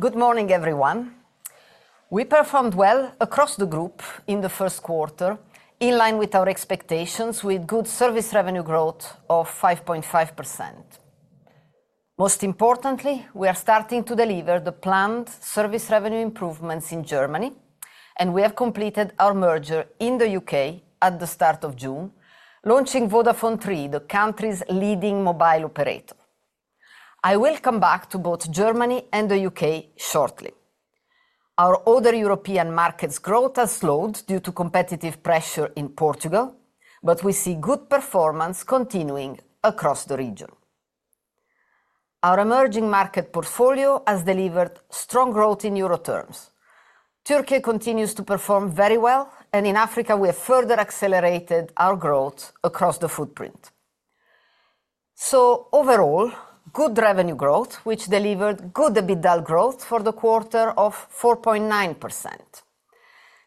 Good morning, everyone. We performed well across the group in the first quarter, in line with our expectations, with good service revenue growth of 5.5%. Most importantly, we are starting to deliver the planned service revenue improvements in Germany, and we have completed our merger in the U.K. at the start of June, launching Vodafone Three—the country's leading mobile operator. I will come back to both Germany and the U.K. shortly. Our other European markets' growth has slowed due to competitive pressure in Portugal, but we see good performance continuing across the region. Our emerging market portfolio has delivered strong growth in EUR terms. Türkiye continues to perform very well, and in Africa we have further accelerated our growth across the footprint. Overall, good revenue growth, which delivered good EBITDA growth for the quarter of 4.9%.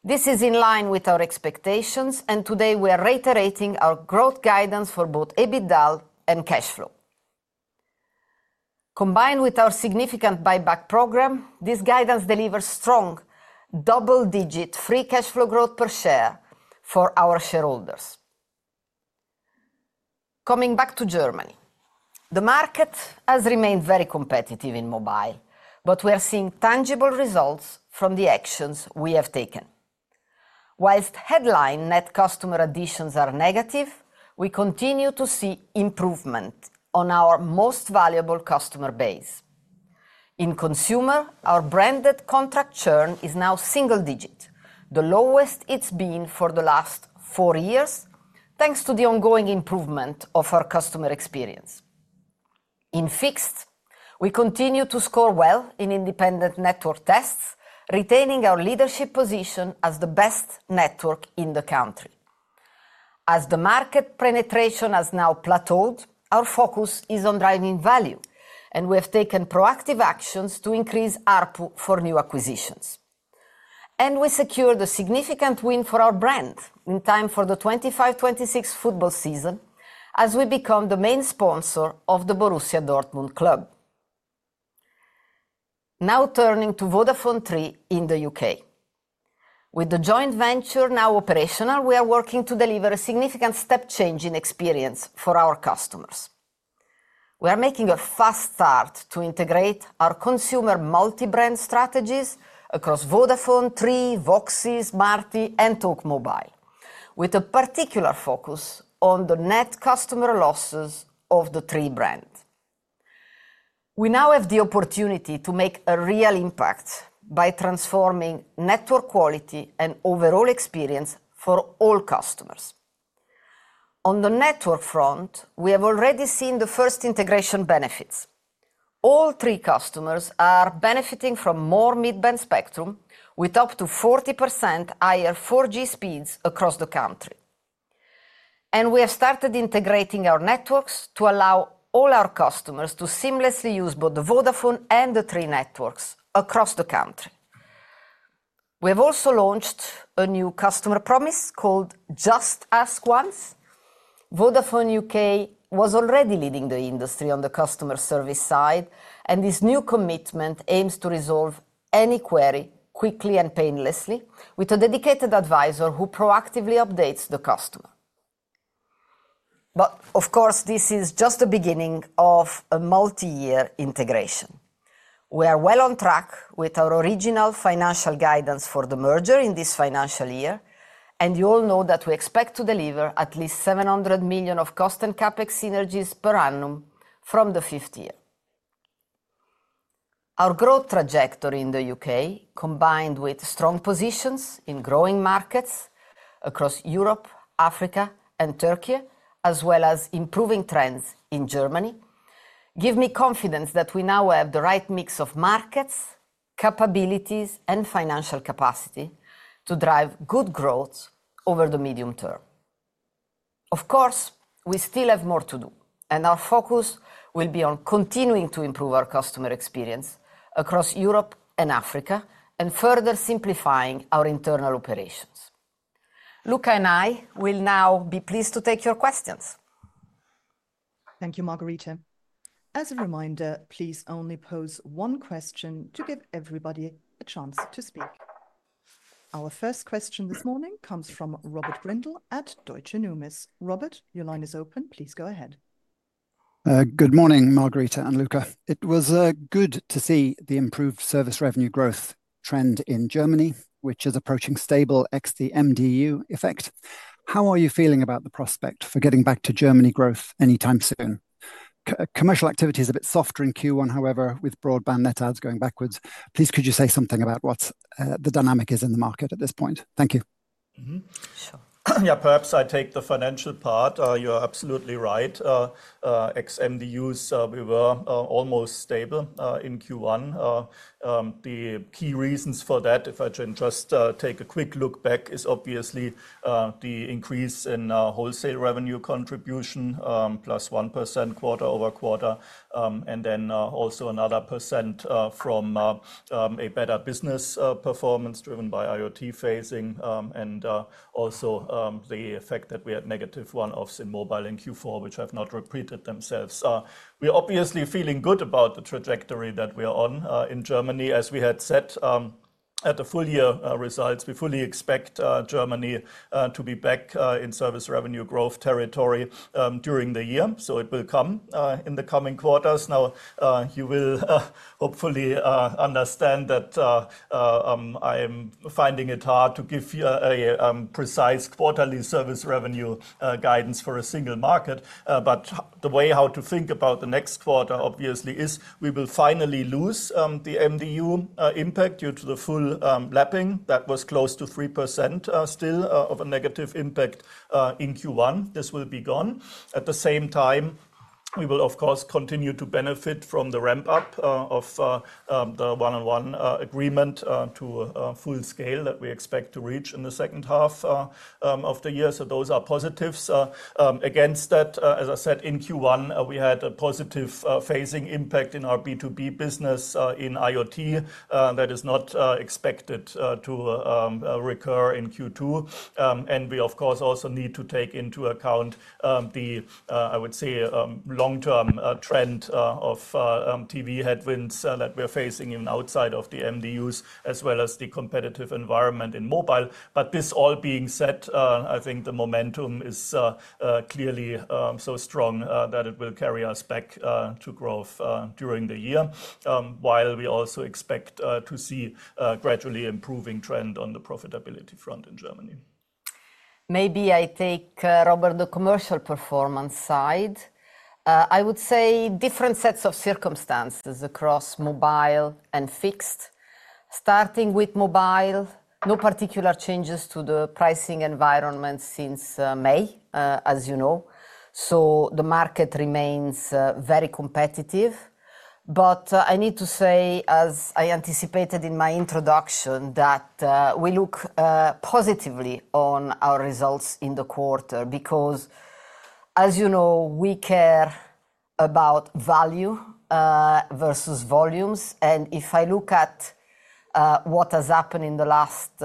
This is in line with our expectations, and today we are reiterating our growth guidance for both EBITDA and cash flow. Combined with our significant buyback program, this guidance delivers strong double-digit free cash flow growth per share for our shareholders. Coming back to Germany, the market has remained very competitive in mobile, but we are seeing tangible results from the actions we have taken. Whilst headline net customer additions are negative, we continue to see improvement on our most valuable customer base. In consumer, our branded contract churn is now single-digit, the lowest it has been for the last four years, thanks to the ongoing improvement of our customer experience. In fixed, we continue to score well in independent network tests, retaining our leadership position as the best network in the country. As the market penetration has now plateaued, our focus is on driving value, and we have taken proactive actions to increase ARPU for new acquisitions. We secured a significant win for our brand in time for the 2025-2026 football season, as we become the main sponsor of the Borussia Dortmund club. Now turning to Vodafone Three in the U.K. With the joint venture now operational, we are working to deliver a significant step-change in experience for our customers. We are making a fast start to integrate our consumer multi-brand strategies across Vodafone, Three, VOXI, Smarty, and Talk Mobile, with a particular focus on the net customer losses of the Three brand. We now have the opportunity to make a real impact by transforming network quality and overall experience for all customers. On the network front, we have already seen the first integration benefits. All Three customers are benefiting from more mid-band spectrum, with up to 40% higher 4G speeds across the country. We have started integrating our networks to allow all our customers to seamlessly use both the Vodafone and the Three networks across the country. We have also launched a new customer promise called "Just Ask Once." Vodafone UK was already leading the industry on the customer service side, and this new commitment aims to resolve any query quickly and painlessly, with a dedicated advisor who proactively updates the customer. This is just the beginning of a multi-year integration. We are well on track with our original financial guidance for the merger in this financial year, and you all know that we expect to deliver at least 700 million of cost and CapEx synergies per annum from the fifth year. Our growth trajectory in the U.K., combined with strong positions in growing markets across Europe, Africa, and Türkiye, as well as improving trends in Germany, gives me confidence that we now have the right mix of markets, capabilities, and financial capacity to drive good growth over the medium term. We still have more to do, and our focus will be on continuing to improve our customer experience across Europe and Africa, and further simplifying our internal operations. Luka and I will now be pleased to take your questions. Thank you, Margherita. As a reminder, please only pose one question to give everybody a chance to speak. Our first question this morning comes from Robert Brindley at Deutsche Numis. Robert, your line is open. Please go ahead. Good morning, Margherita and Luka It was good to see the improved service revenue growth trend in Germany, which is approaching stable Ex MDU effect. How are you feeling about the prospect for getting back to Germany growth anytime soon? Commercial activity is a bit softer in Q1, however, with broadband net adds going backwards. Please, could you say something about what the dynamic is in the market at this point? Thank you. Yeah, perhaps I take the financial part. You're absolutely right. Ex MDUs, we were almost stable in Q1. The key reasons for that, if I can just take a quick look back, is obviously the increase in wholesale revenue contribution, plus 1% quarter over quarter, and then also another percent from a better business performance driven by IoT phasing, and also the fact that we had negative one-offs in mobile in Q4, which have not repeated themselves. We are obviously feeling good about the trajectory that we are on in Germany. As we had said at the full year results, we fully expect Germany to be back in service revenue growth territory during the year, so it will come in the coming quarters. Now, you will hopefully understand that I am finding it hard to give you a precise quarterly service revenue guidance for a single market, but the way how to think about the next quarter obviously is we will finally lose the MDU impact due to the full lapping. That was close to 3% still of a negative impact in Q1. This will be gone. At the same time, we will of course continue to benefit from the ramp-up of the 1&1 agreement to full scale that we expect to reach in the second half of the year. Those are positives. Against that, as I said, in Q1, we had a positive phasing impact in our B2B business in IoT that is not expected to recur in Q2. We of course also need to take into account the, I would say, long-term trend of TV headwinds that we are facing even outside of the MDUs, as well as the competitive environment in mobile. This all being said, I think the momentum is clearly so strong that it will carry us back to growth during the year, while we also expect to see a gradually improving trend on the profitability front in Germany. Maybe I take Robert, the commercial performance side. I would say different sets of circumstances across mobile and fixed. Starting with mobile, no particular changes to the pricing environment since May, as you know. The market remains very competitive. I need to say, as I anticipated in my introduction, that we look positively on our results in the quarter because, as you know, we care about value versus volumes. If I look at what has happened in the last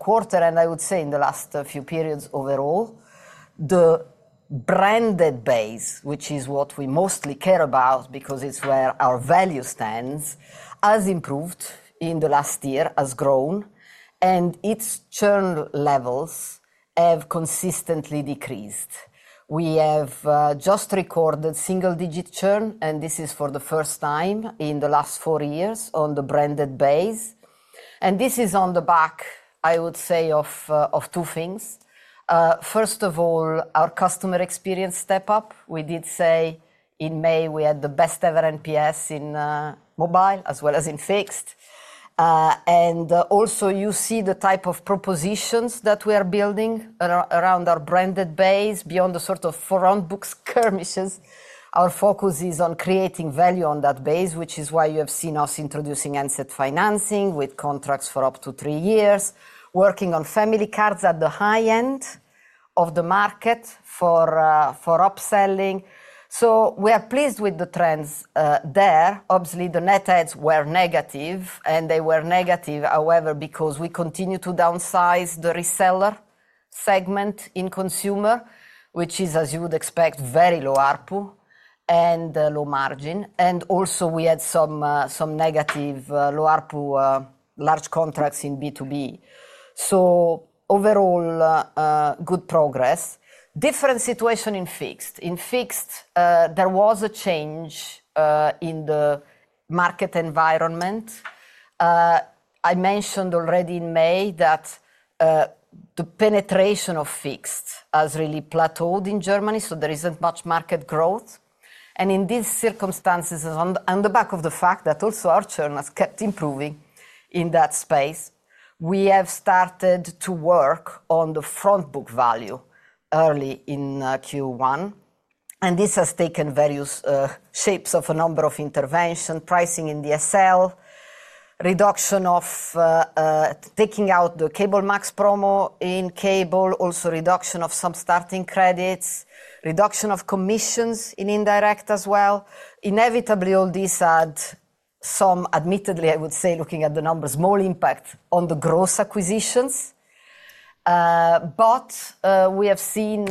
quarter, and I would say in the last few periods overall, the branded base, which is what we mostly care about because it's where our value stands, has improved in the last year, has grown, and its churn levels have consistently decreased. We have just recorded single-digit churn, and this is for the first time in the last four years on the branded base. This is on the back, I would say, of two things. First of all, our customer experience step-up. We did say in May we had the best ever NPS in mobile as well as in fixed. Also, you see the type of propositions that we are building around our branded base. Beyond the sort of front books permissions, our focus is on creating value on that base, which is why you have seen us introducing asset financing with contracts for up to three years, working on family cards at the high end of the market for upselling. We are pleased with the trends there. Obviously, the net adds were negative, and they were negative, however, because we continue to downsize the reseller segment in consumer, which is, as you would expect, very low ARPU and low margin. Also, we had some negative low ARPU large contracts in B2B. Overall, good progress. Different situation in fixed. In fixed, there was a change in the market environment. I mentioned already in May that the penetration of fixed has really plateaued in Germany, so there isn't much market growth. In these circumstances, on the back of the fact that also our churn has kept improving in that space, we have started to work on the front book value early in Q1. This has taken various shapes of a number of interventions, pricing in the SL, reduction of taking out the Cable Max promo in cable, also reduction of some starting credits, reduction of commissions in indirect as well. Inevitably, all these had some admittedly, I would say, looking at the numbers, small impact on the gross acquisitions. We have seen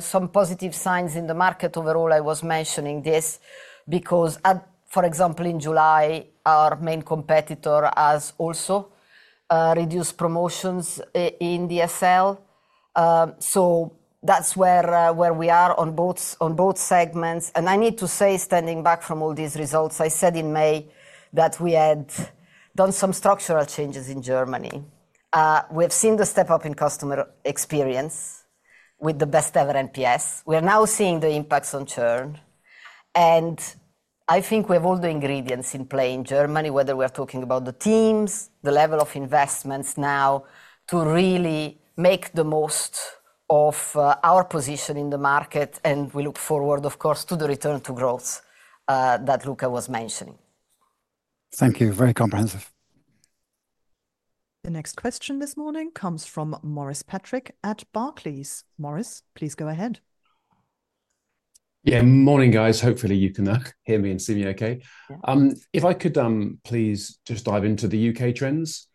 some positive signs in the market overall. I was mentioning this because, for example, in July, our main competitor has also reduced promotions in the SL. That's where we are on both segments. I need to say, standing back from all these results, I said in May that we had done some structural changes in Germany. We have seen the step-up in customer experience with the best ever NPS. We are now seeing the impacts on churn. I think we have all the ingredients in play in Germany, whether we are talking about the teams, the level of investments now to really make the most of our position in the market. We look forward, of course, to the return to growth that Luka was mentioning. Thank you. Very comprehensive. The next question this morning comes from Maurice Patrick at Barclays. Maurice, please go ahead. Yeah, morning, guys. Hopefully, you can hear me and see me okay. If I could please just dive into the U.K. trends.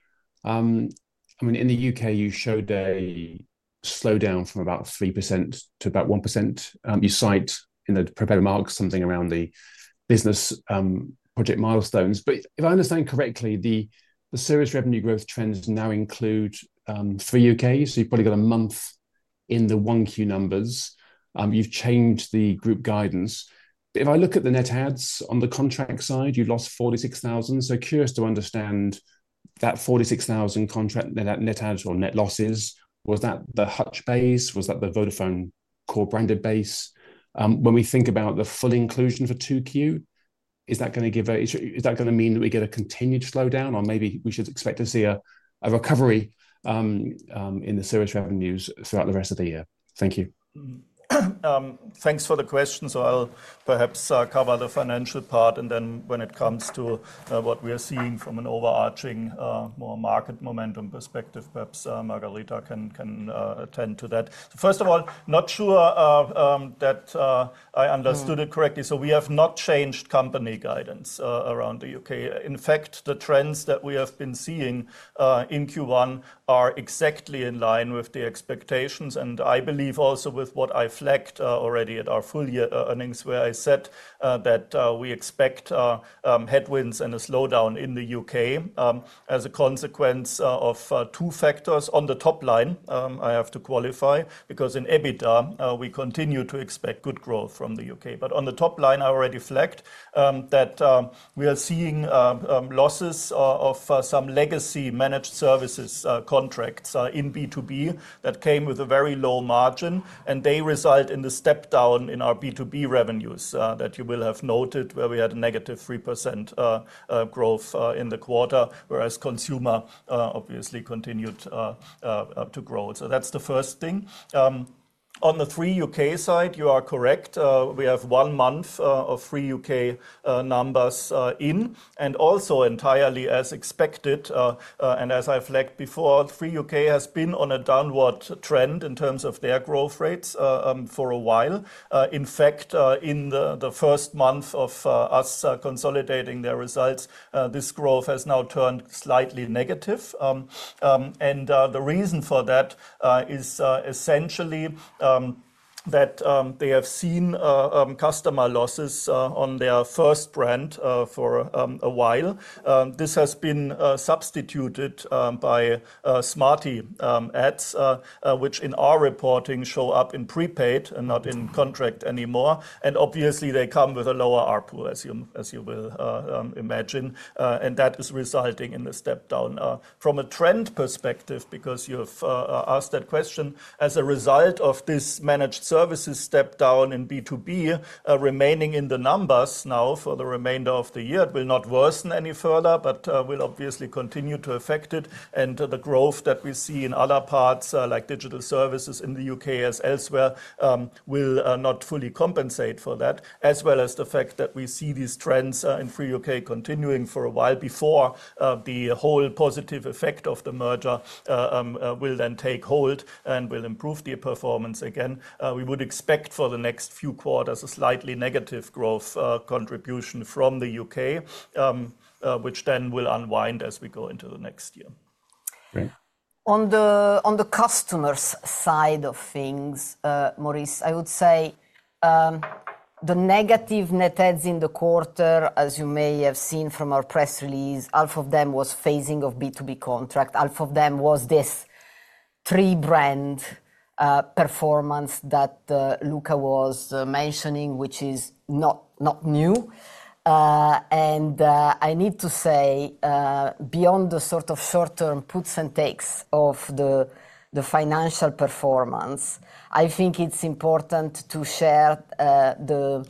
I mean, in the U.K., you showed a slowdown from about 3% to about 1%. You cite in the prepared marks something around the business. Project milestones. But if I understand correctly, the serious revenue growth trends now include Three UK, so you've probably got a month in the 1Q numbers. You've changed the group guidance. If I look at the net adds on the contract side, you've lost 46,000. So curious to understand. That 46,000 contract, that net adds or net losses, was that the Hutch base? Was that the Vodafone core branded base? When we think about the full inclusion for 2Q, is that going to give a, is that going to mean that we get a continued slowdown or maybe we should expect to see a recovery in the service revenues throughout the rest of the year? Thank you. Thanks for the question. I'll perhaps cover the financial part and then when it comes to what we are seeing from an overarching more market momentum perspective, perhaps Margherita can attend to that. First of all, not sure that I understood it correctly. We have not changed company guidance around the U.K. In fact, the trends that we have been seeing in Q1 are exactly in line with the expectations and I believe also with what I flagged already at our full year earnings where I said that we expect headwinds and a slowdown in the U.K. as a consequence of two factors. On the top line, I have to qualify because in EBITDA, we continue to expect good growth from the U.K. On the top line, I already flagged that we are seeing losses of some legacy managed services contracts in B2B that came with a very low margin and they result in the step down in our B2B revenues that you will have noted where we had a negative 3% growth in the quarter, whereas consumer obviously continued to grow. That's the first thing. On the Three UK side, you are correct. We have one month of Three UK numbers in and also entirely as expected. As I flagged before, Three UK has been on a downward trend in terms of their growth rates for a while. In fact, in the first month of us consolidating their results, this growth has now turned slightly negative. The reason for that is essentially that they have seen customer losses on their first brand for a while. This has been substituted by Smarty ads, which in our reporting show up in prepaid and not in contract anymore. Obviously, they come with a lower ARPU, as you will imagine. That is resulting in the step down from a trend perspective because you have asked that question. As a result of this managed services step down in B2B, remaining in the numbers now for the remainder of the year, it will not worsen any further, but will obviously continue to affect it. The growth that we see in other parts like digital services in the UK as elsewhere will not fully compensate for that, as well as the fact that we see these trends in Three UK continuing for a while before the whole positive effect of the merger will then take hold and will improve the performance again. We would expect for the next few quarters a slightly negative growth contribution from the U.K., which then will unwind as we go into the next year. On the customer side of things, Maurice, I would say. The negative net adds in the quarter, as you may have seen from our press release, half of them was phasing of B2B contract. Half of them was this Three brand performance that Luka was mentioning, which is not new. And I need to say. Beyond the sort of short-term puts and takes of the financial performance, I think it's important to share the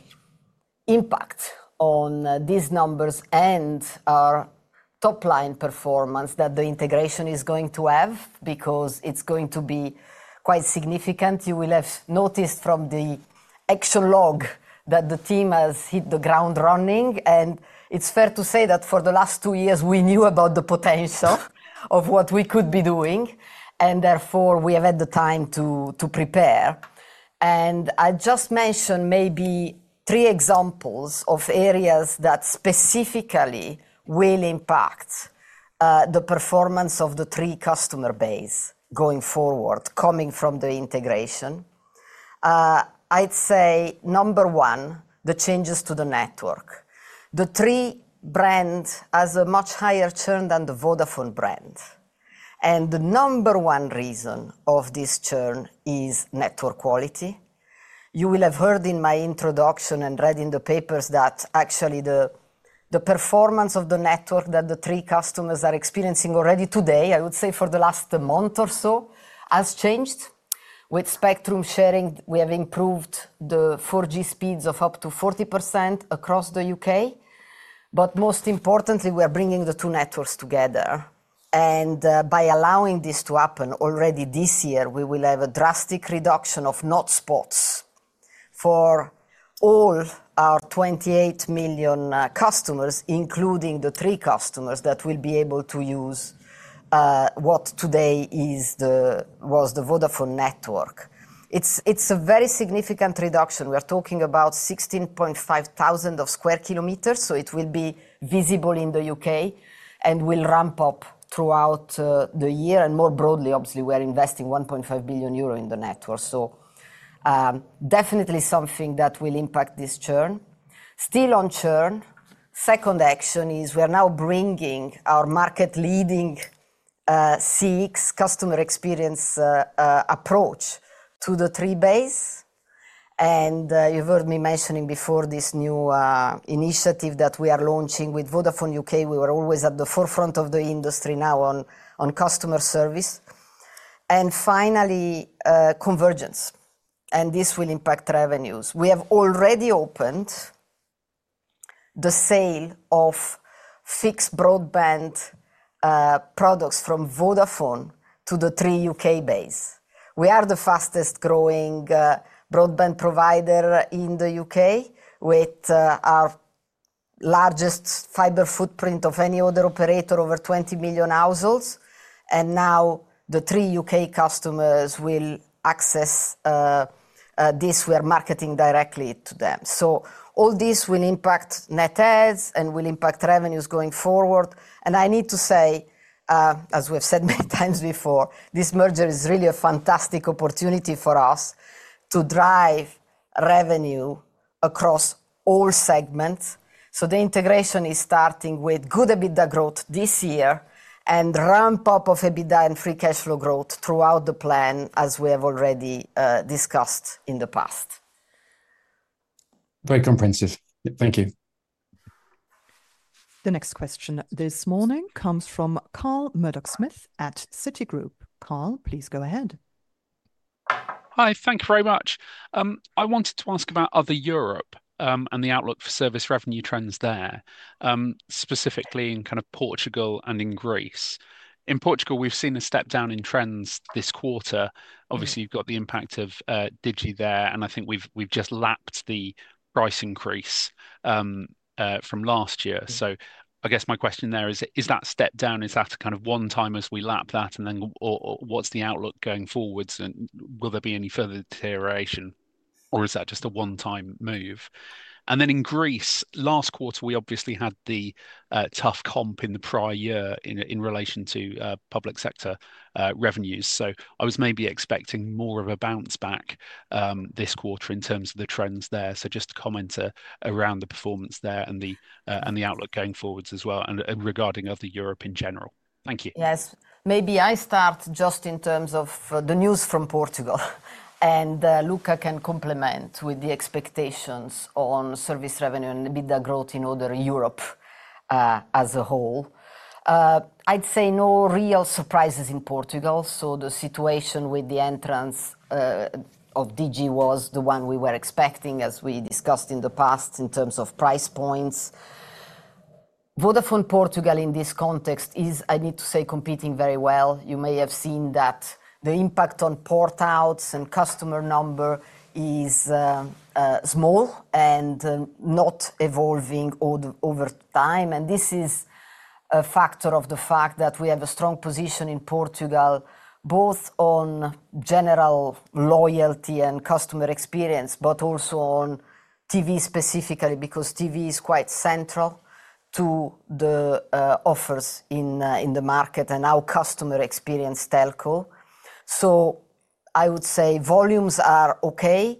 impact on these numbers and our top line performance that the integration is going to have because it's going to be quite significant. You will have noticed from the action log that the team has hit the ground running. It's fair to say that for the last two years, we knew about the potential of what we could be doing. Therefore, we have had the time to prepare. I just mentioned maybe three examples of areas that specifically will impact the performance of the Three customer base going forward coming from the integration. I'd say number one, the changes to the network. The Three brands have a much higher churn than the Vodafone brand. The number one reason of this churn is network quality. You will have heard in my introduction and read in the papers that actually the performance of the network that the Three customers are experiencing already today, I would say for the last month or so, has changed. With spectrum sharing, we have improved the 4G speeds of up to 40% across the U.K. Most importantly, we are bringing the two networks together. By allowing this to happen already this year, we will have a drastic reduction of not spots for all our 28 million customers, including the Three customers that will be able to use what today was the Vodafone network. It's a very significant reduction. We are talking about 16,500 sq km. It will be visible in the U.K. and will ramp up throughout the year. More broadly, obviously, we are investing 1.5 billion euro in the network. Definitely something that will impact this churn. Still on churn, second action is we are now bringing our market leading CX customer experience approach to the Three base. You've heard me mentioning before this new initiative that we are launching with Vodafone UK We were always at the forefront of the industry now on customer service. Finally, convergence. This will impact revenues. We have already opened the sale of fixed broadband products from Vodafone to the Three UK base. We are the fastest growing broadband provider in the U.K. with our largest fiber footprint of any other operator, over 20 million households. Now the Three UK customers will access this; we are marketing directly to them. All this will impact net adds and will impact revenues going forward. I need to say. As we've said many times before, this merger is really a fantastic opportunity for us to drive revenue across all segments. The integration is starting with good EBITDA growth this year and ramp up of EBITDA and free cash flow growth throughout the plan, as we have already discussed in the past. Very comprehensive. Thank you. The next question this morning comes from Carl Murdock-Smith at Citigroup. Carl, please go ahead. Hi, thank you very much. I wanted to ask about other Europe and the outlook for service revenue trends there. Specifically in kind of Portugal and in Greece. In Portugal, we've seen a step down in trends this quarter. Obviously, you've got the impact of Digi there, and I think we've just lapped the price increase from last year. I guess my question there is, is that step down, is that a kind of one time as we lap that? What's the outlook going forwards? Will there be any further deterioration, or is that just a one time move? In Greece, last quarter, we obviously had the tough comp in the prior year in relation to public sector revenues. I was maybe expecting more of a bounce back this quarter in terms of the trends there. Just to comment around the performance there and the outlook going forwards as well and regarding other Europe in general. Thank you. Yes, maybe I start just in terms of the news from Portugal. Luka can complement with the expectations on service revenue and EBITDA growth in other Europe. As a whole, I'd say no real surprises in Portugal. The situation with the entrance of Digi was the one we were expecting, as we discussed in the past in terms of price points. Vodafone Portugal in this context is, I need to say, competing very well. You may have seen that the impact on port outs and customer number is small and not evolving over time. This is a factor of the fact that we have a strong position in Portugal, both on general loyalty and customer experience, but also on TV specifically because TV is quite central to the offers in the market and our customer experience, telco. I would say volumes are okay.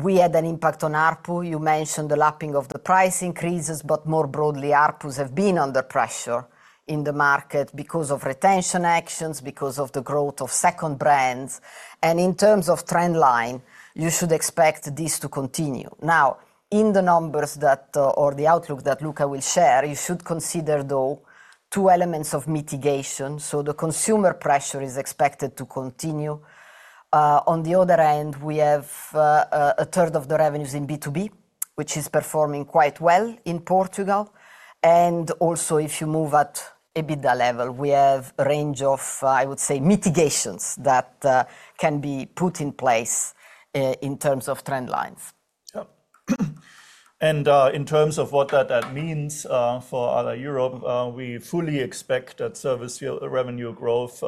We had an impact on ARPU. You mentioned the lapping of the price increases, but more broadly, ARPUs have been under pressure in the market because of retention actions, because of the growth of second brands. In terms of trend line, you should expect this to continue. Now, in the numbers that, or the outlook that Luka will share, you should consider though two elements of mitigation. The consumer pressure is expected to continue. On the other end, we have a third of the revenues in B2B, which is performing quite well in Portugal. Also, if you move at EBITDA level, we have a range of, I would say, mitigations that can be put in place. In terms of trend lines. In terms of what that means for other Europe, we fully expect that service revenue growth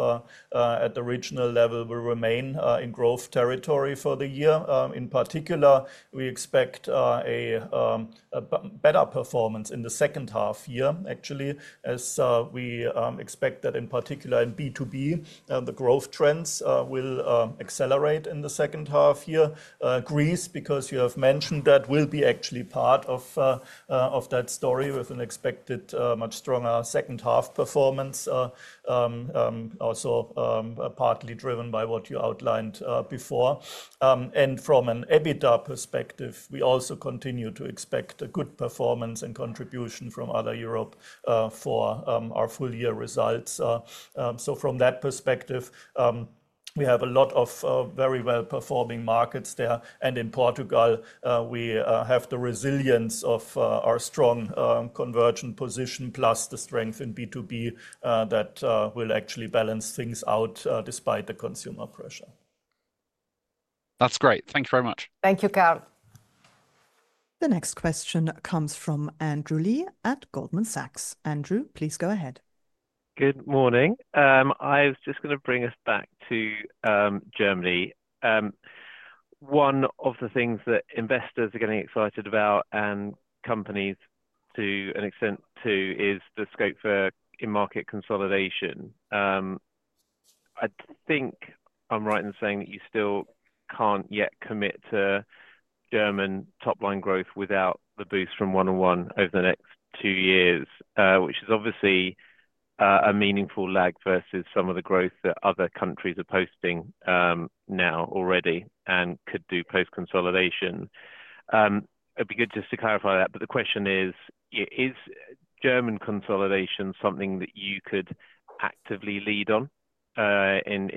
at the regional level will remain in growth territory for the year. In particular, we expect a better performance in the second half year, actually, as we expect that in particular in B2B, the growth trends will accelerate in the second half year. Greece, because you have mentioned that, will be actually part of that story with an expected much stronger second half performance, also partly driven by what you outlined before. From an EBITDA perspective, we also continue to expect a good performance and contribution from other Europe for our full year results. From that perspective, we have a lot of very well performing markets there. In Portugal, we have the resilience of our strong convergent position, plus the strength in B2B that will actually balance things out despite the consumer pressure. That's great. Thank you very much. Thank you, Carl. The next question comes from Andrew Lee at Goldman Sachs. Andrew, please go ahead. Good morning. I was just going to bring us back to Germany. One of the things that investors are getting excited about, and companies to an extent too, is the scope for in-market consolidation. I think I'm right in saying that you still can't yet commit to German top line growth without the boost from 1&1 over the next two years, which is obviously a meaningful lag versus some of the growth that other countries are posting now already and could do post-consolidation. It'd be good just to clarify that. The question is, is German consolidation something that you could actively lead on in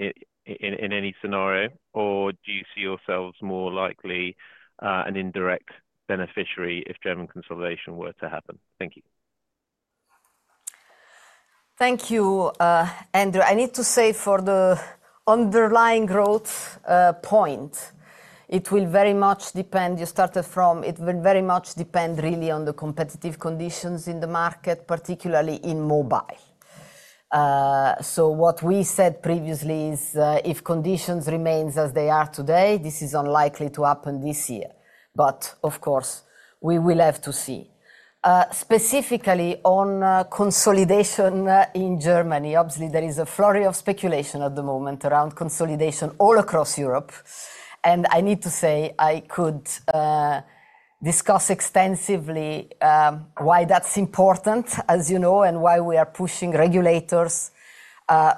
any scenario, or do you see yourselves more likely an indirect beneficiary if German consolidation were to happen? Thank you. Thank you. Andrew. I need to say for the underlying growth point, it will very much depend. You started from, it will very much depend really on the competitive conditions in the market, particularly in mobile. What we said previously is if conditions remain as they are today, this is unlikely to happen this year. Of course, we will have to see. Specifically on consolidation in Germany, obviously there is a flurry of speculation at the moment around consolidation all across Europe. I need to say I could discuss extensively why that's important, as you know, and why we are pushing regulators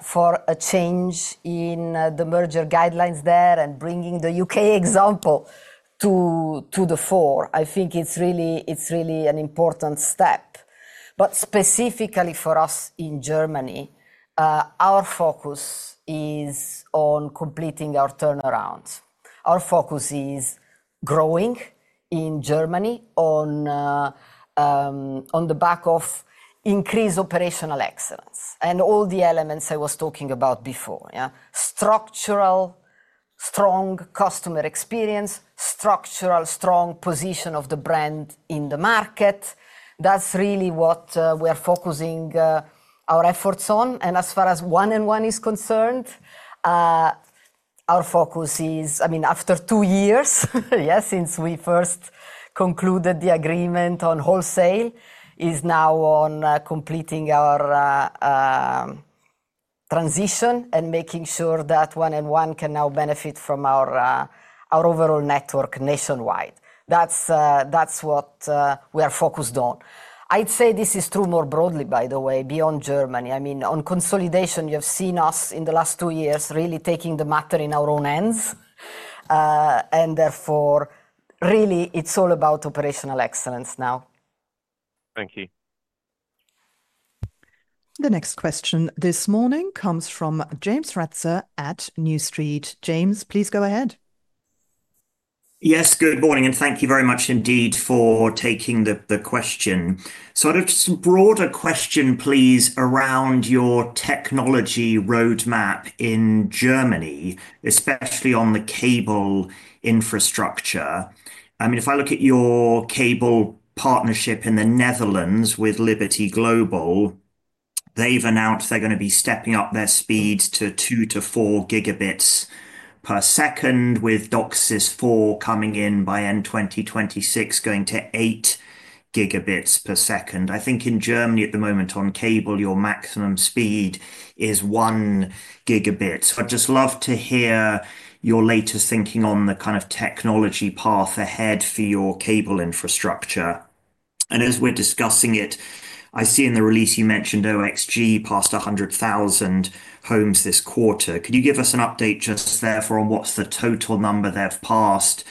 for a change in the merger guidelines there and bringing the U.K. example to the fore. I think it's really an important step. Specifically for us in Germany, our focus is on completing our turnaround. Our focus is growing in Germany on the back of increased operational excellence and all the elements I was talking about before. Structural strong customer experience, structural strong position of the brand in the market. That's really what we are focusing our efforts on. As far as 1&1 is concerned, our focus is, I mean, after two years, since we first concluded the agreement on wholesale, is now on completing our transition and making sure that 1&1 can now benefit from our overall network nationwide. That's what we are focused on. I'd say this is true more broadly, by the way, beyond Germany. I mean, on consolidation, you have seen us in the last two years really taking the matter in our own hands. Therefore, really, it's all about operational excellence now. Thank you. The next question this morning comes from James Ratzer at New Street. James, please go ahead. Yes, good morning. And thank you very much indeed for taking the question. I'd have just a broader question, please, around your technology roadmap in Germany, especially on the cable infrastructure. I mean, if I look at your cable partnership in the Netherlands with Liberty Global, they've announced they're going to be stepping up their speeds to 2-4 gigabits per second, with DOCSIS 4 coming in by end 2026, going to 8 gigabits per second. I think in Germany at the moment on cable, your maximum speed is 1 gigabit. I'd just love to hear your latest thinking on the kind of technology path ahead for your cable infrastructure. As we're discussing it, I see in the release you mentioned OXG passed 100,000 homes this quarter. Could you give us an update just therefore on what's the total number they've passed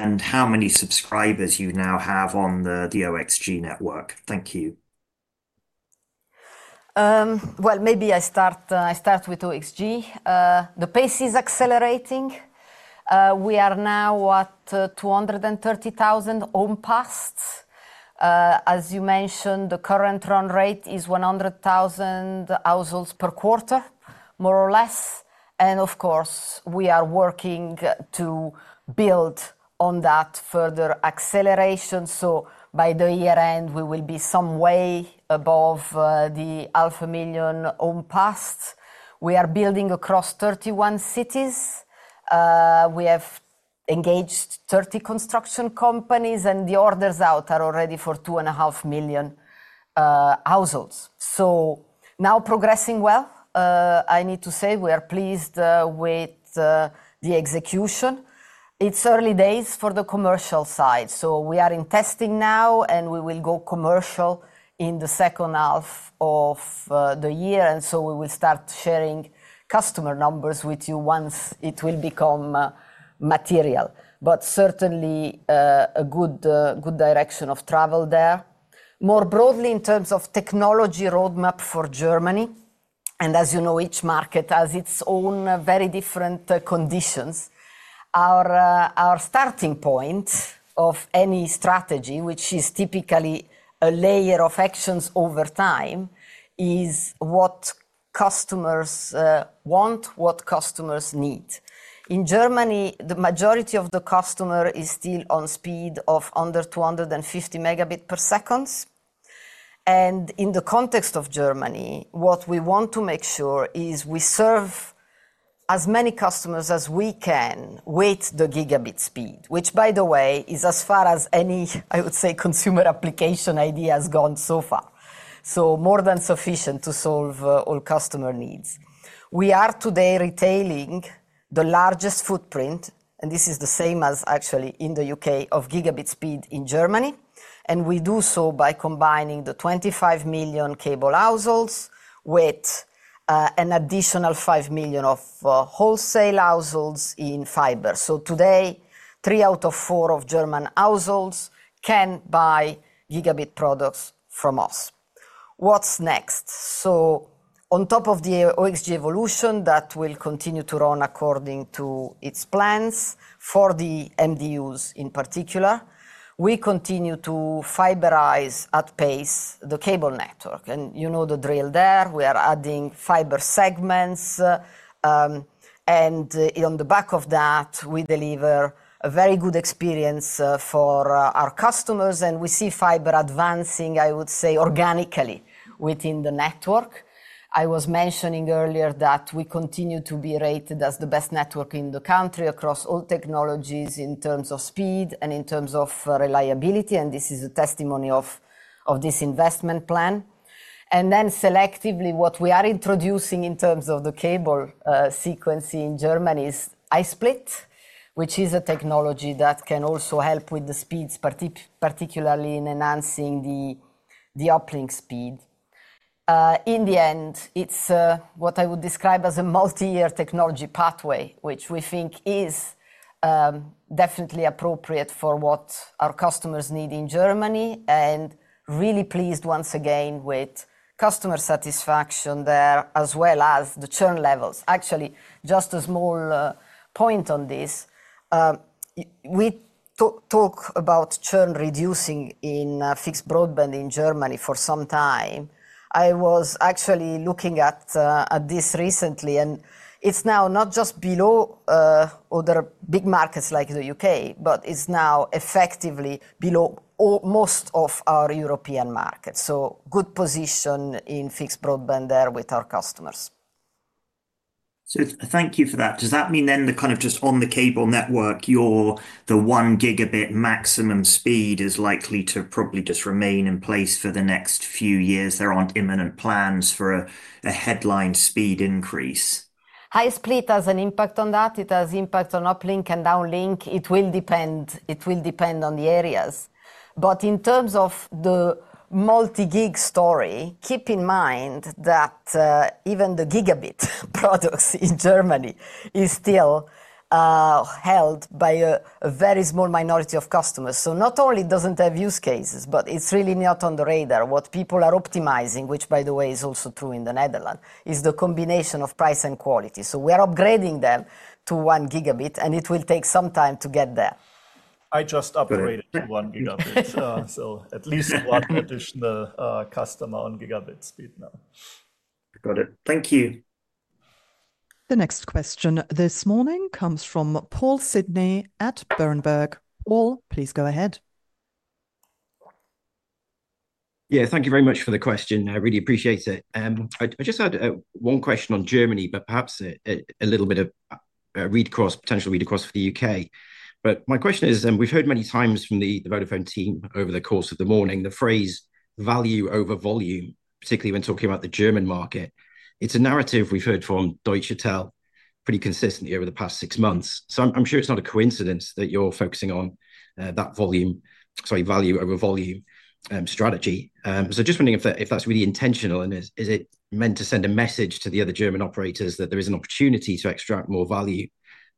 and how many subscribers you now have on the OXG network? Thank you. Maybe I start with OXG. The pace is accelerating. We are now at 230,000 homes passed. As you mentioned, the current run rate is 100,000 households per quarter, more or less. Of course, we are working to build on that further acceleration. By the year end, we will be some way above the 500,000 homes passed. We are building across 31 cities. We have engaged 30 construction companies, and the orders out are already for 2.5 million households. Now progressing well. I need to say we are pleased with the execution. It's early days for the commercial side. We are in testing now, and we will go commercial in the second half of the year. We will start sharing customer numbers with you once it will become material. Certainly a good direction of travel there. More broadly in terms of technology roadmap for Germany. As you know, each market has its own very different conditions. Our starting point of any strategy, which is typically a layer of actions over time, is what customers want, what customers need. In Germany, the majority of the customers are still on speed of under 250 megabit per second. In the context of Germany, what we want to make sure is we serve as many customers as we can with the gigabit speed, which, by the way, is as far as any, I would say, consumer application idea has gone so far. More than sufficient to solve all customer needs. We are today retailing the largest footprint, and this is the same as actually in the U.K., of gigabit speed in Germany. We do so by combining the 25 million cable households with an additional 5 million of wholesale households in fiber. Today, three out of four German households can buy gigabit products from us. What's next? On top of the OXG evolution that will continue to run according to its plans for the MDUs in particular, we continue to fiberize at pace the cable network. You know the drill there. We are adding fiber segments. On the back of that, we deliver a very good experience for our customers. We see fiber advancing, I would say, organically within the network. I was mentioning earlier that we continue to be rated as the best network in the country across all technologies in terms of speed and in terms of reliability. This is a testimony of this investment plan. Then selectively, what we are introducing in terms of the cable sequencing in Germany is I-Split, which is a technology that can also help with the speeds, particularly in enhancing the uplink speed. In the end, it's what I would describe as a multi-year technology pathway, which we think is definitely appropriate for what our customers need in Germany. Really pleased once again with customer satisfaction there, as well as the churn levels. Actually, just a small point on this. We talk about churn reducing in fixed broadband in Germany for some time. I was actually looking at this recently, and it is now not just below other big markets like the U.K., but it is now effectively below most of our European markets. Good position in fixed broadband there with our customers. Thank you for that. Does that mean then the kind of just on the cable network, the 1 gigabit maximum speed is likely to probably just remain in place for the next few years? There are not imminent plans for a headline speed increase. I-Split has an impact on that. It has impact on uplink and downlink. It will depend. It will depend on the areas. In terms of the multi-gig story, keep in mind that even the gigabit products in Germany are still held by a very small minority of customers. Not only doesn't it have use cases, but it's really not on the radar. What people are optimizing, which by the way is also true in the Netherlands, is the combination of price and quality. We are upgrading them to 1 gigabit, and it will take some time to get there. I just upgraded to one gigabit. So at least one additional customer on gigabit speed now. Got it. Thank you. The next question this morning comes from Paul Sidney at Berenberg. Paul, please go ahead. Yeah, thank you very much for the question. I really appreciate it. I just had one question on Germany, but perhaps a little bit of potential read across for the U.K. My question is, we've heard many times from the Vodafone team over the course of the morning the phrase value over volume, particularly when talking about the German market. It's a narrative we've heard from Deutsche Telekom pretty consistently over the past six months. I'm sure it's not a coincidence that you're focusing on that value over volume strategy. Just wondering if that's really intentional and is it meant to send a message to the other German operators that there is an opportunity to extract more value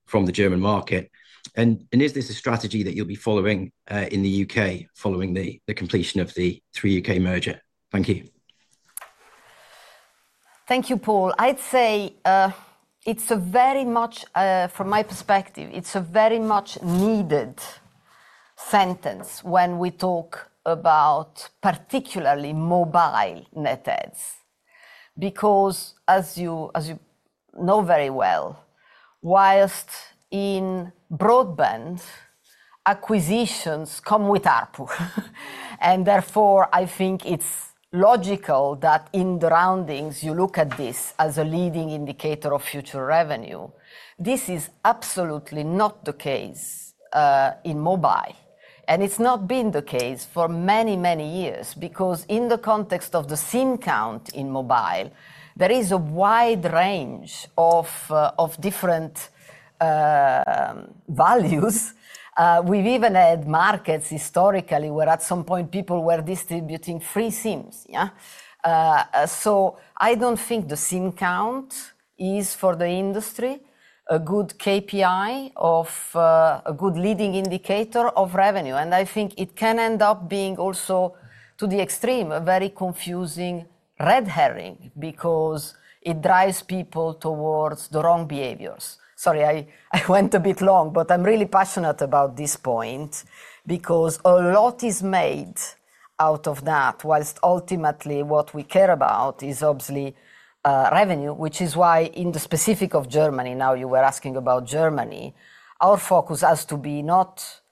from the German market? Is this a strategy that you'll be following in the U.K. following the completion of the Three UK merger? Thank you. Thank you, Paul. I'd say it's a very much, from my perspective, it's a very much needed sentence when we talk about, particularly, mobile net adds. Because as you know very well, whilst in broadband, acquisitions come with ARPU, and therefore, I think it's logical that in the roundings, you look at this as a leading indicator of future revenue. This is absolutely not the case in mobile, and it's not been the case for many, many years because in the context of the SIM count in mobile, there is a wide range of different values. We've even had markets historically where at some point people were distributing free SIMs. I don't think the SIM count is, for the industry, a good KPI or a good leading indicator of revenue. I think it can end up being also, to the extreme, a very confusing red herring because it drives people towards the wrong behaviors. Sorry, I went a bit long, but I'm really passionate about this point because a lot is made out of that, whilst ultimately what we care about is obviously revenue, which is why in the specific of Germany, now you were asking about Germany, our focus has to be not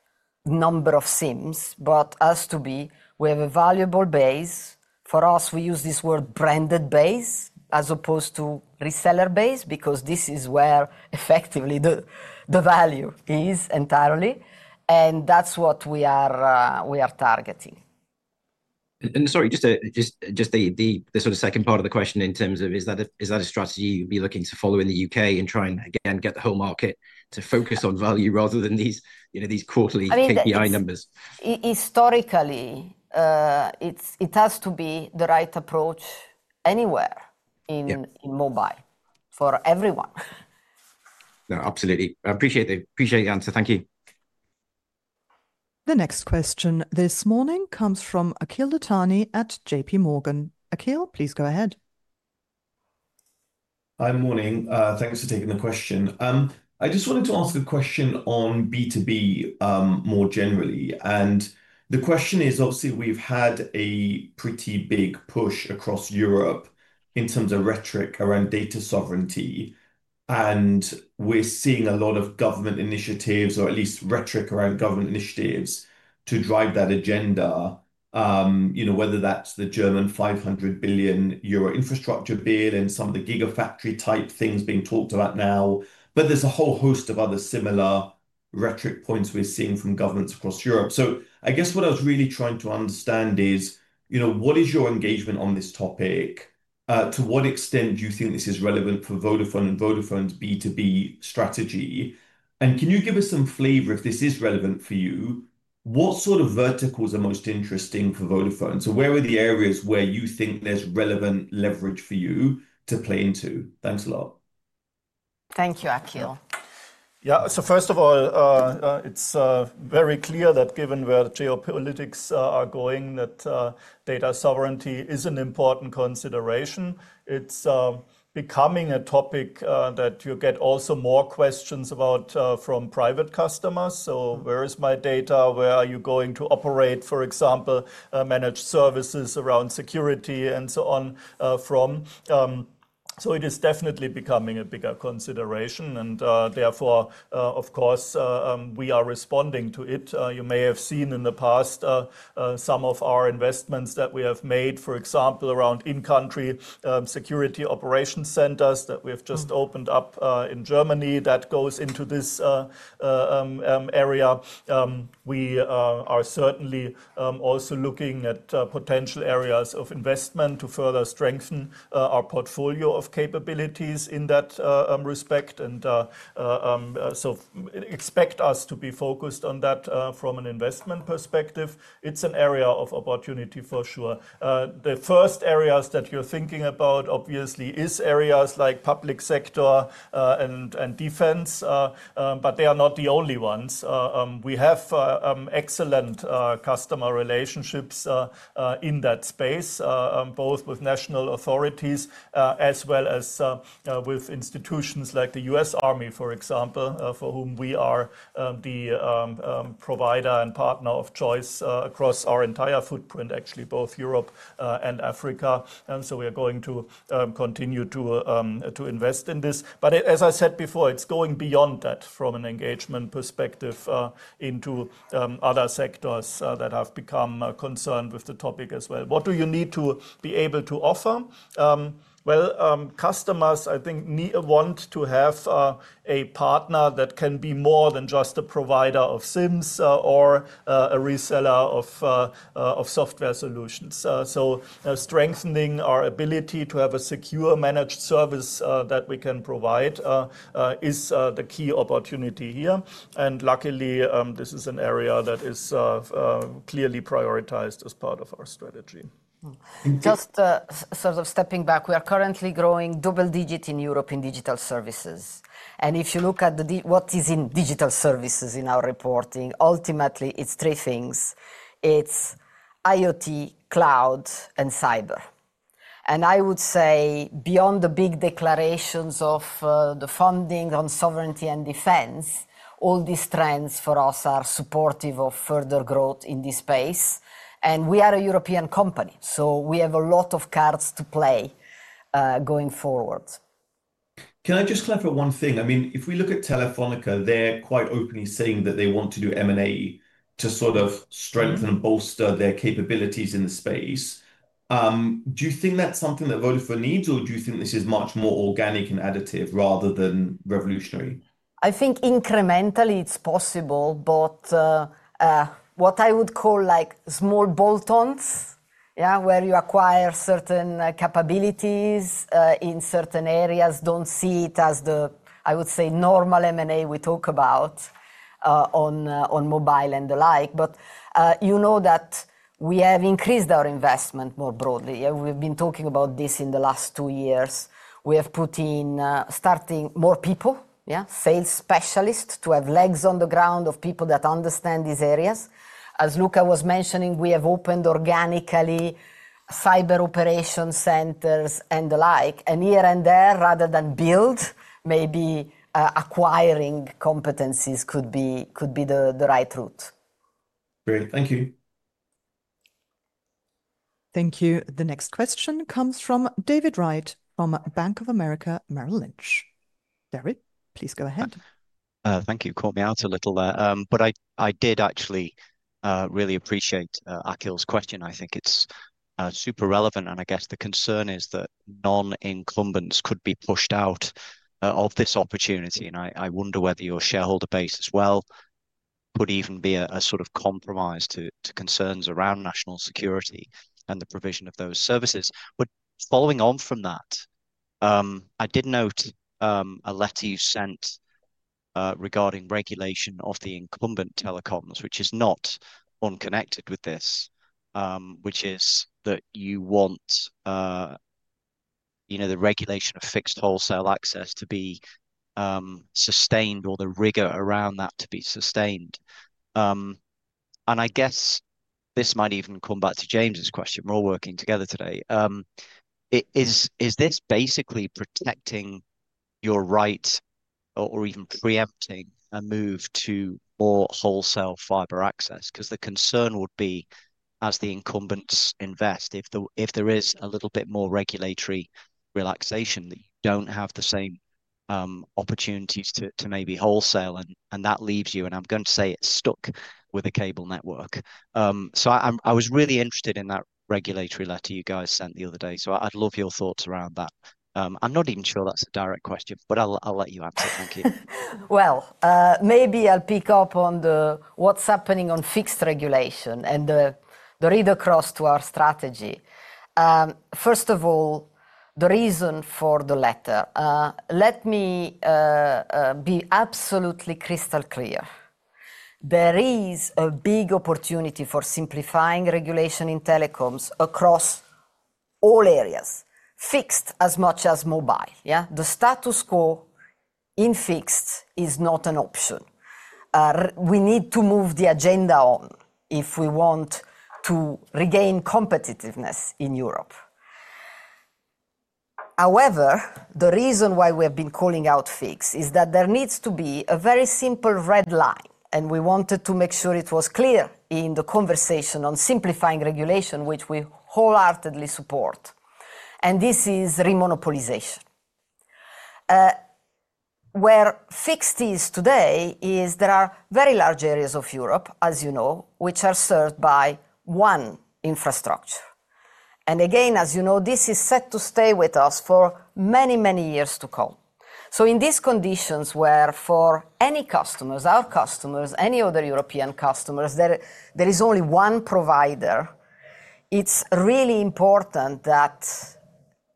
number of SIMs, but has to be we have a valuable base. For us, we use this word branded base as opposed to reseller base because this is where, effectively, the value is entirely. That's what we are targeting. Sorry, just the sort of second part of the question in terms of is that a strategy you'd be looking to follow in the U.K. and try and again get the whole market to focus on value rather than these quarterly KPI numbers? Historically, it has to be the right approach anywhere in mobile for everyone. No, absolutely. I appreciate the answer. Thank you. The next question this morning comes from Akhil Dattani at JPMorgan. Akhil, please go ahead. Hi, morning. Thanks for taking the question. I just wanted to ask a question on B2B more generally. The question is, obviously, we've had a pretty big push across Europe in terms of rhetoric around data sovereignty. We're seeing a lot of government initiatives, or at least rhetoric around government initiatives to drive that agenda, whether that's the German 500 billion euro infrastructure bill and some of the gigafactory type things being talked about now. There's a whole host of other similar rhetoric points we're seeing from governments across Europe. I guess what I was really trying to understand is, what is your engagement on this topic? To what extent do you think this is relevant for Vodafone and Vodafone's B2B strategy? Can you give us some flavor if this is relevant for you? What sort of verticals are most interesting for Vodafone? Where are the areas where you think there's relevant leverage for you to play into? Thanks a lot. Thank you, Akhil. Yeah, first of all, it's very clear that given where geopolitics are going, data sovereignty is an important consideration. It's becoming a topic that you get more questions about from private customers. Where is my data? Where are you going to operate, for example, managed services around security and so on from? It is definitely becoming a bigger consideration. Therefore, we are responding to it. You may have seen in the past some of our investments that we have made, for example, around in-country security operation centers that we have just opened up in Germany. That goes into this area. We are certainly also looking at potential areas of investment to further strengthen our portfolio of capabilities in that respect. Expect us to be focused on that from an investment perspective. It's an area of opportunity for sure. The first areas that you're thinking about, obviously, are areas like public sector and defense, but they are not the only ones. We have excellent customer relationships in that space, both with national authorities as well as with institutions like the U.S. Army, for example, for whom we are the provider and partner of choice across our entire footprint, actually both Europe and Africa. We are going to continue to invest in this. As I said before, it's going beyond that from an engagement perspective into other sectors that have become concerned with the topic as well. What do you need to be able to offer? Customers, I think, want to have a partner that can be more than just a provider of SIMs or a reseller of software solutions. Strengthening our ability to have a secure managed service that we can provide is the key opportunity here. Luckily, this is an area that is clearly prioritized as part of our strategy. Just sort of stepping back, we are currently growing double digit in Europe in digital services. If you look at what is in digital services in our reporting, ultimately it's three things. It's IoT, cloud, and cyber. I would say beyond the big declarations of the funding on sovereignty and defense, all these trends for us are supportive of further growth in this space. We are a European company, so we have a lot of cards to play. Going forward. Can I just clarify one thing? I mean, if we look at Telefónica, they're quite openly saying that they want to do M&A to sort of strengthen and bolster their capabilities in the space. Do you think that's something that Vodafone needs, or do you think this is much more organic and additive rather than revolutionary? I think incrementally it's possible, but what I would call like small bolt-ons, where you acquire certain capabilities in certain areas, don't see it as the, I would say, normal M&A we talk about on mobile and the like. You know that we have increased our investment more broadly. We've been talking about this in the last two years. We have put in, starting, more people, sales specialists to have legs on the ground of people that understand these areas. As Luka was mentioning, we have opened organically cyber operation centers and the like. Here and there, rather than build, maybe acquiring competencies could be the right route. Great. Thank you. Thank you. The next question comes from David Wright from Bank of America Merrill Lynch. David, please go ahead. Thank you. Caught me out a little there. I did actually really appreciate Akhil's question. I think it's super relevant. I guess the concern is that non-incumbents could be pushed out of this opportunity. I wonder whether your shareholder base as well could even be a sort of compromise to concerns around national security and the provision of those services. Following on from that, I did note a letter you sent regarding regulation of the incumbent telecoms, which is not unconnected with this, which is that you want the regulation of fixed wholesale access to be sustained or the rigor around that to be sustained. I guess this might even come back to James's question. We're all working together today. Is this basically protecting your right or even preempting a move to more wholesale fiber access? The concern would be, as the incumbents invest, if there is a little bit more regulatory relaxation, that you don't have the same opportunities to maybe wholesale, and that leaves you, and I'm going to say it, stuck with a cable network. I was really interested in that regulatory letter you guys sent the other day. I'd love your thoughts around that. I'm not even sure that's a direct question, but I'll let you answer. Thank you. Maybe I'll pick up on what's happening on fixed regulation and the read across to our strategy. First of all, the reason for the letter, let me be absolutely crystal clear. There is a big opportunity for simplifying regulation in telecoms across all areas, fixed as much as mobile. The status quo in fixed is not an option. We need to move the agenda on if we want to regain competitiveness in Europe. However, the reason why we have been calling out fixed is that there needs to be a very simple red line. We wanted to make sure it was clear in the conversation on simplifying regulation, which we wholeheartedly support. This is remonopolization. Where fixed is today is there are very large areas of Europe, as you know, which are served by one infrastructure. As you know, this is set to stay with us for many, many years to come. In these conditions where for any customers, our customers, any other European customers, there is only one provider, it's really important that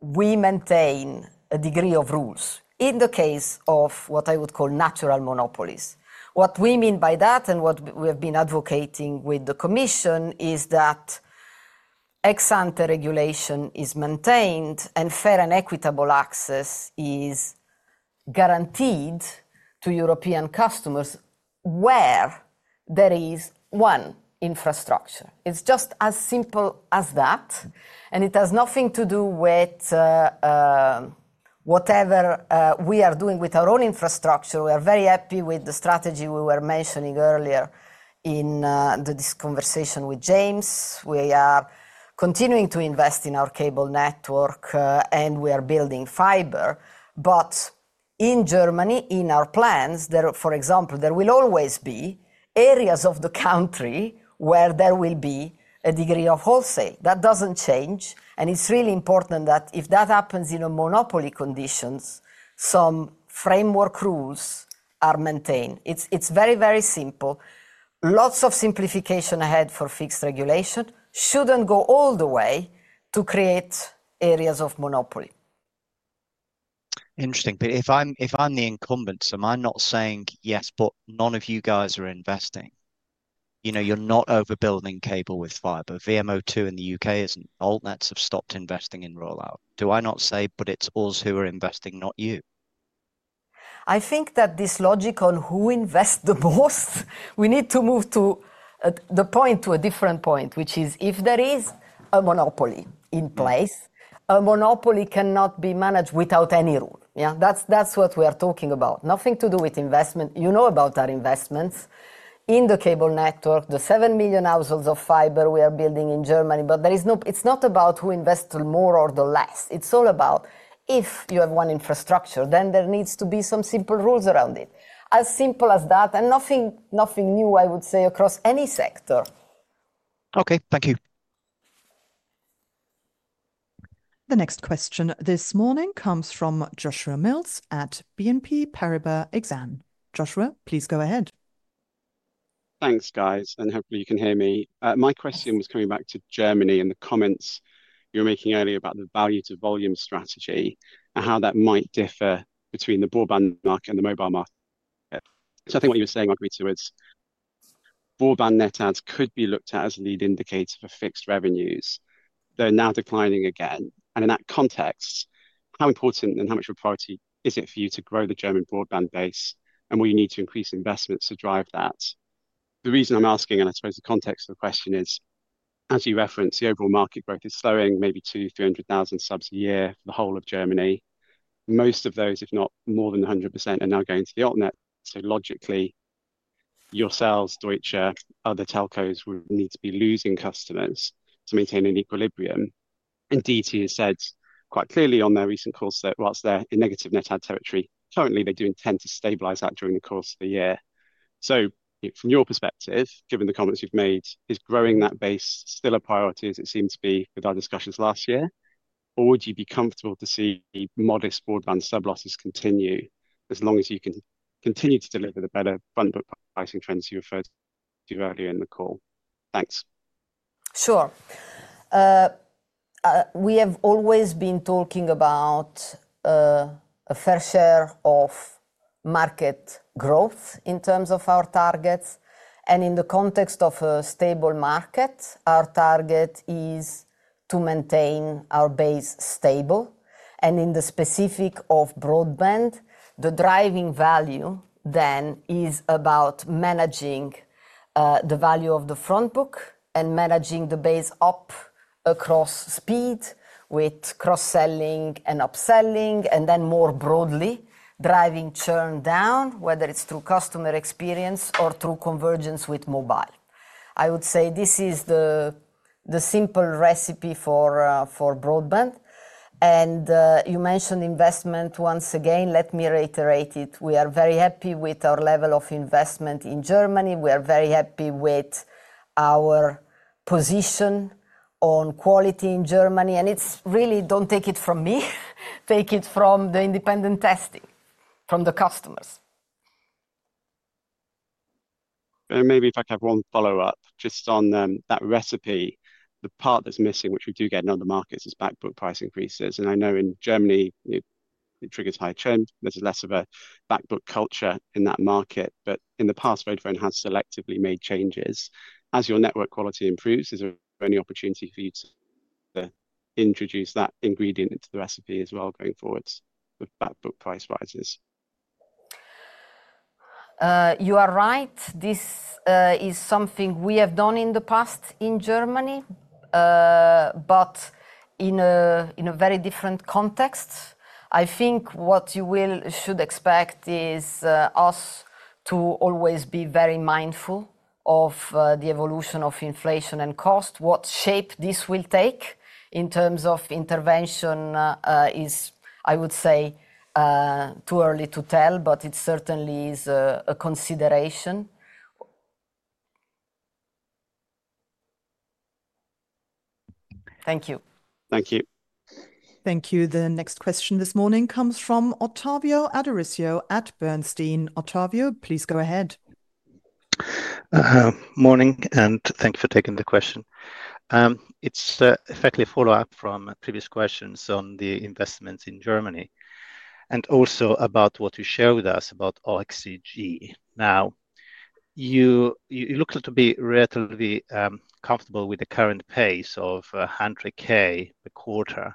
we maintain a degree of rules in the case of what I would call natural monopolies. What we mean by that and what we have been advocating with the Commission is that ex ante regulation is maintained and fair and equitable access is guaranteed to European customers where there is one infrastructure. It's just as simple as that. It has nothing to do with whatever we are doing with our own infrastructure. We are very happy with the strategy we were mentioning earlier in this conversation with James. We are continuing to invest in our cable network and we are building fiber. In Germany, in our plans, for example, there will always be areas of the country where there will be a degree of wholesale. That doesn't change. It's really important that if that happens in monopoly conditions, some framework rules are maintained. It's very, very simple. Lots of simplification ahead for fixed regulation shouldn't go all the way to create areas of monopoly. Interesting. If I'm the incumbent, am I not saying, yes, but none of you guys are investing? You're not overbuilding cable with fiber. VMO2 in the U.K. isn't old. Nets have stopped investing in rollout. Do I not say, but it's us who are investing, not you? I think that this logic on who invests the most, we need to move the point to a different point, which is if there is a monopoly in place, a monopoly cannot be managed without any rule. That's what we are talking about. Nothing to do with investment. You know about our investments in the cable network, the 7 million households of fiber we are building in Germany. It is not about who invests the more or the less. It is all about if you have one infrastructure, then there needs to be some simple rules around it. As simple as that. Nothing new, I would say, across any sector. Okay. Thank you. The next question this morning comes from Joshua Mills at BNP Paribas Exane. Joshua, please go ahead. Thanks, guys. Hopefully you can hear me. My question was coming back to Germany and the comments you were making earlier about the value to volume strategy and how that might differ between the broadband market and the mobile market. I think what you were saying, actually, is broadband net adds could be looked at as a lead indicator for fixed revenues, though now declining again. In that context, how important and how much of a priority is it for you to grow the German broadband base and will you need to increase investments to drive that? The reason I'm asking, and I suppose the context of the question is, as you referenced, the overall market growth is slowing, maybe 200,000-300,000 subs a year for the whole of Germany. Most of those, if not more than 100%, are now going to the alternate. Logically, yourselves, Deutsche, other telcos would need to be losing customers to maintain an equilibrium. DT has said quite clearly on their recent calls that whilst they're in negative net add territory, currently they do intend to stabilize that during the course of the year. From your perspective, given the comments you've made, is growing that base still a priority as it seemed to be with our discussions last year? Would you be comfortable to see modest broadband sub-losses continue as long as you can continue to deliver the better fund pricing trends you referred to earlier in the call? Thanks. Sure. We have always been talking about a fair share of market growth in terms of our targets. In the context of a stable market, our target is to maintain our base stable. In the specific of broadband, the driving value then is about managing the value of the front book and managing the base up across speed with cross-selling and upselling, and then more broadly driving churn down, whether it's through customer experience or through convergence with mobile. I would say this is the simple recipe for broadband. You mentioned investment once again, let me reiterate it. We are very happy with our level of investment in Germany. We are very happy with our position on quality in Germany. It's really, don't take it from me, take it from the independent testing, from the customers. Maybe if I could have one follow-up, just on that recipe, the part that's missing, which we do get in other markets, is backbook price increases. I know in Germany it triggers high churn. There's less of a backbook culture in that market. In the past, Vodafone has selectively made changes. As your network quality improves, is there any opportunity for you to introduce that ingredient into the recipe as well going forward with backbook price rises? You are right. This is something we have done in the past in Germany, but in a very different context. I think what you should expect is us to always be very mindful of the evolution of inflation and cost. What shape this will take in terms of intervention, I would say, too early to tell, but it certainly is a consideration. Thank you. Thank you. Thank you. The next question this morning comes from Ottavio Adorisio at Bernstein. Ottavio, please go ahead. Morning and thanks for taking the question. It's effectively a follow-up from previous questions on the investments in Germany and also about what you shared with us about OXG. Now, you look to be relatively comfortable with the current pace of 100,000 per quarter.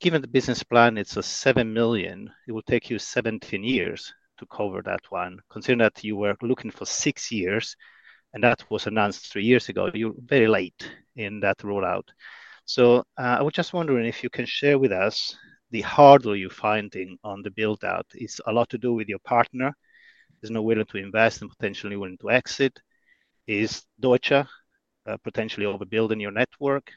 Given the business plan, it's a 7 million, it will take you 17 years to cover that one. Considering that you were looking for six years and that was announced three years ago, you're very late in that rollout. I was just wondering if you can share with us the hurdle you're finding on the build-out. Is it a lot to do with your partner? There's no willing to invest and potentially willing to exit. Is Deutsche potentially overbuilding your network?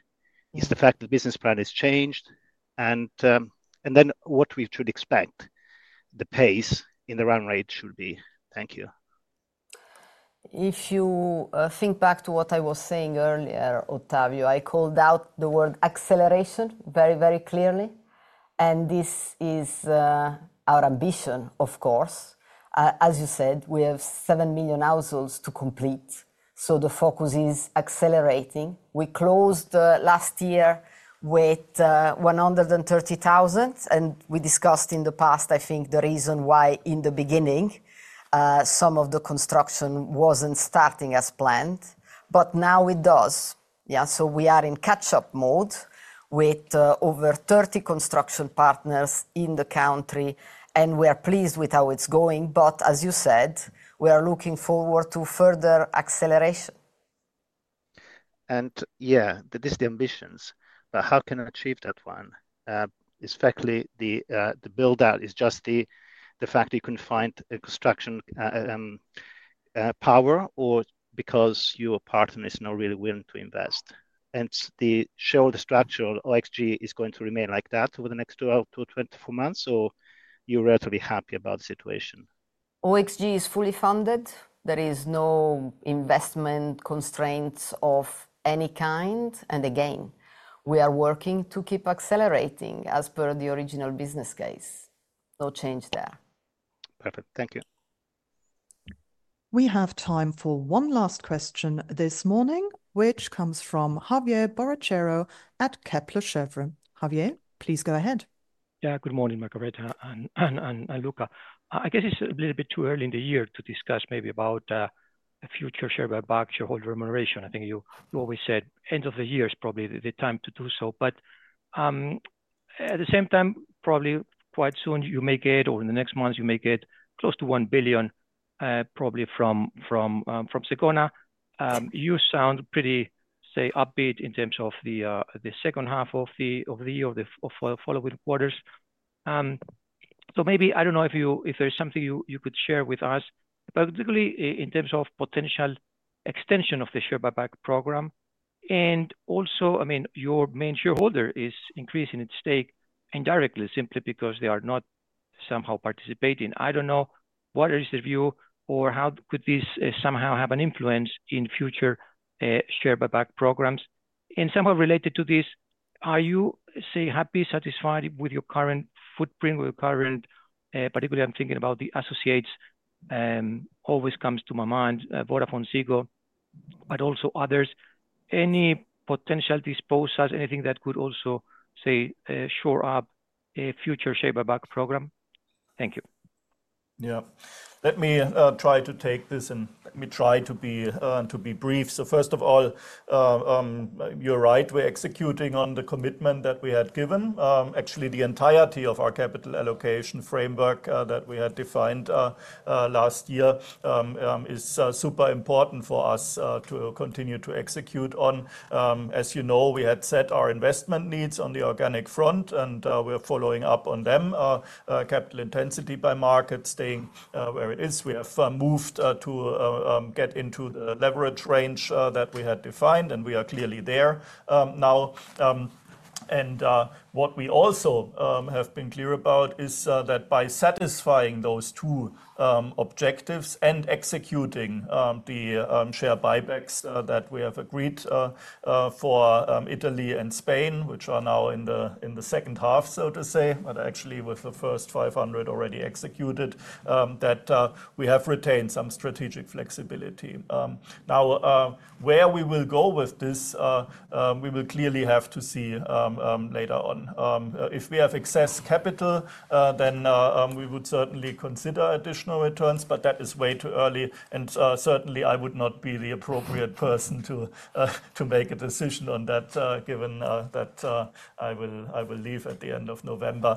Is it the fact that the business plan has changed? What should we expect, the pace in the run rate should be? Thank you. If you think back to what I was saying earlier, Ottavio, I called out the word acceleration very, very clearly. This is our ambition, of course. As you said, we have 7 million households to complete. The focus is accelerating. We closed last year with 130,000. We discussed in the past, I think, the reason why in the beginning some of the construction was not starting as planned. Now it does. We are in catch-up mode with over 30 construction partners in the country. We are pleased with how it's going. As you said, we are looking forward to further acceleration. Yeah, this is the ambitions. How can we achieve that one? It's effectively the build-out is just the fact that you couldn't find a construction power or because your partner is not really willing to invest. The shareholder structure of OXG is going to remain like that over the next 12 to 24 months. You're relatively happy about the situation. OXG is fully funded. There is no investment constraints of any kind. We are working to keep accelerating as per the original business case. No change there. Perfect. Thank you. We have time for one last question this morning, which comes from Javier Borrachero at Kepler Cheuvreux. Javier, please go ahead. Yeah, good morning, Margherita and Luka. I guess it's a little bit too early in the year to discuss maybe about a future share buyback, shareholder remuneration. I think you always said end of the year is probably the time to do so. At the same time, probably quite soon you may get, or in the next months you may get close to 1 billion probably from Zegona. You sound pretty, say, upbeat in terms of the second half of the year or the following quarters. Maybe, I don't know if there's something you could share with us, particularly in terms of potential extension of the share buyback program. Also, I mean, your main shareholder is increasing its stake indirectly simply because they are not somehow participating. I don't know what is the view or how could this somehow have an influence in future share buyback programs. Somehow related to this, are you, say, happy, satisfied with your current footprint, with your current, particularly I'm thinking about the associates. Always comes to my mind, Vodafone, Zegona, but also others. Any potential disposals, anything that could also, say, shore up a future share buyback program? Thank you. Yeah. Let me try to take this and let me try to be brief. First of all, you're right, we're executing on the commitment that we had given. Actually, the entirety of our capital allocation framework that we had defined last year is super important for us to continue to execute on. As you know, we had set our investment needs on the organic front and we're following up on them. Capital intensity by market staying where it is. We have moved to get into the leverage range that we had defined and we are clearly there now. What we also have been clear about is that by satisfying those two objectives and executing the share buybacks that we have agreed for Italy and Spain, which are now in the second half, so to say, but actually with the first 500 already executed, that we have retained some strategic flexibility. Now, where we will go with this, we will clearly have to see later on. If we have excess capital, then we would certainly consider additional returns, but that is way too early. Certainly, I would not be the appropriate person to make a decision on that given that I will leave at the end of November.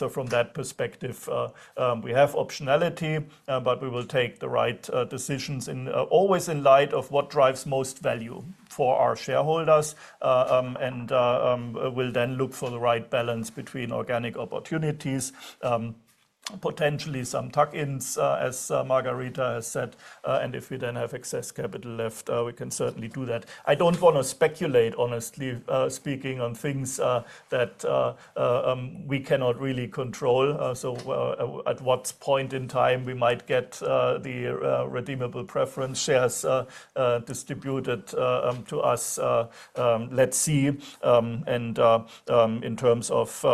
From that perspective, we have optionality, but we will take the right decisions always in light of what drives most value for our shareholders. We'll then look for the right balance between organic opportunities, potentially some tuck-ins, as Margherita has said. If we then have excess capital left, we can certainly do that. I don't want to speculate, honestly speaking, on things that we cannot really control. At what point in time we might get the redeemable preference shares distributed to us, let's see. In terms of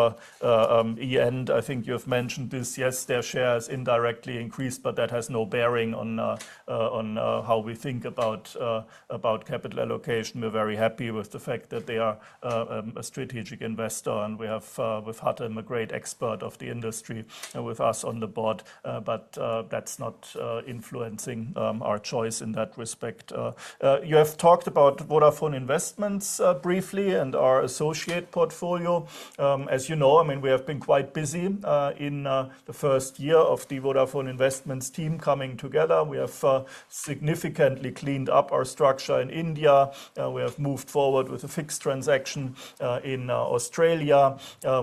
end, I think you've mentioned this, yes, their shares indirectly increased, but that has no bearing on how we think about capital allocation. We're very happy with the fact that they are a strategic investor and we have had them, a great expert of the industry, with us on the board. That's not influencing our choice in that respect. You have talked about Vodafone Investments briefly and our associate portfolio. As you know, I mean, we have been quite busy in the first year of the Vodafone Investments team coming together. We have significantly cleaned up our structure in India. We have moved forward with a fixed transaction in Australia.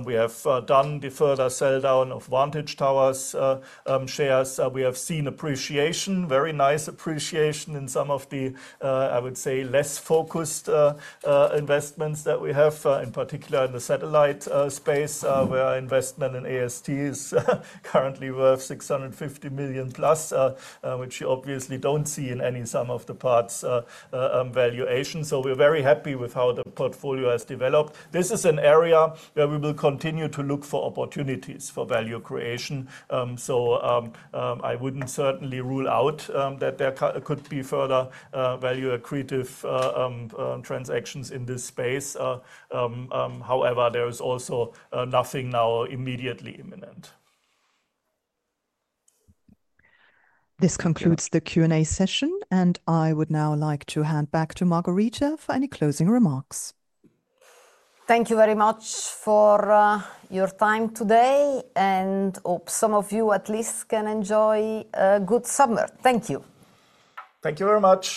We have done the further sell down of Vantage Towers shares. We have seen appreciation, very nice appreciation in some of the, I would say, less focused investments that we have, in particular in the satellite space, where investment in AST is currently worth 650 million plus, which you obviously don't see in any sum of the parts valuation. We're very happy with how the portfolio has developed. This is an area where we will continue to look for opportunities for value creation. I wouldn't certainly rule out that there could be further value accretive transactions in this space. However, there is also nothing now immediately imminent. This concludes the Q&A session, and I would now like to hand back to Margherita for any closing remarks. Thank you very much for your time today, and hope some of you at least can enjoy a good summer. Thank you. Thank you very much.